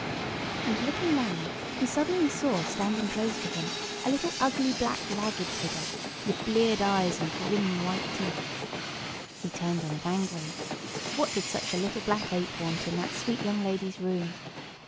And looking round, he suddenly saw, standing close to him, a little ugly, black, ragged figure, with bleared eyes and grinning white teeth. He turned on it angrily. What did such a little black ape want in that sweet young lady's room?